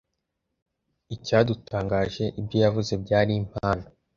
Icyadutangaje, ibyo yavuze byari impamo.